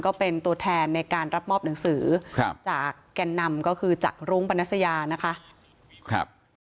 ก็เป็นตัวแทนในการรับมอบหนังสือครับจากแก่นนำก็คือจากรุ้งปนัสยานะคะครับ